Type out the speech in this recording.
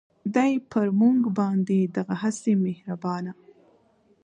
دی پر مونږ باندې دغهسې مهربانه